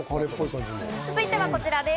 続いてはこちらです。